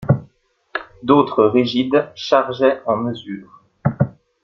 D'autres, rigides, chargeaient en mesure.